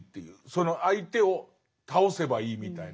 その相手を倒せばいいみたいな。